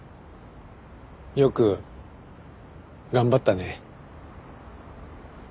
よく頑張ったね。